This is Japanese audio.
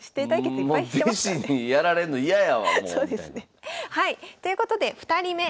そうですねはいということで２人目。